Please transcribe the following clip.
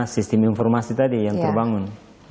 sistem informasi tadi yang terbangun